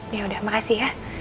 ya udah makasih ya